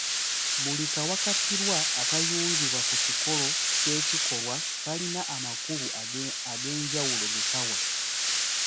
Buli kawakatirwa akayungibwa ku kikolo ky'ekikolwa kalina amakulu ag'enjawulo ge kawa